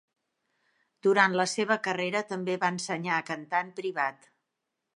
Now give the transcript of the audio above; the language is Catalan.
Durant la seva carrera també va ensenyar a cantar en privat.